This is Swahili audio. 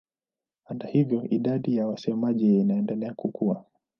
Hata hivyo idadi ya wasemaji inaendelea kukua.